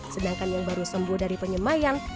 sedangkan yang baru sembuh dari penyemayan